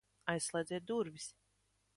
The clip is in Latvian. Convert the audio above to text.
Aizslēdziet durvis!